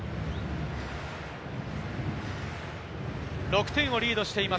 ６点をリードしています